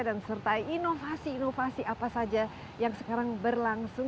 dan serta inovasi inovasi apa saja yang sekarang berlangsung